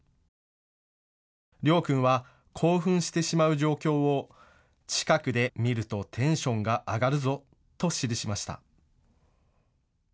りょう君は興奮してしまう状況を近くで見るとテンションが上がるぞと記しました。